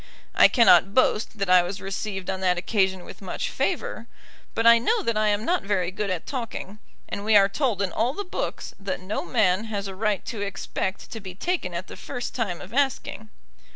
I cannot boast that I was received on that occasion with much favour; but I know that I am not very good at talking, and we are told in all the books that no man has a right to expect to be taken at the first time of asking.